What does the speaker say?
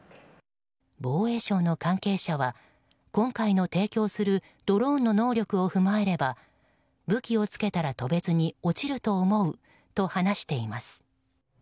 防衛省の関係者は今回の提供するドローンの能力を踏まえれば武器をつけたら飛べずに落ちると思うと話しています。